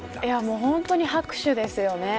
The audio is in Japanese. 本当に拍手ですよね。